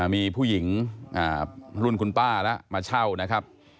มีผู้หญิงรุ่นคุณป้าแล้วมาเช่านะครับ